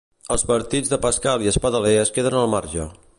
Els partits de Pascal i Espadaler en queden al marge.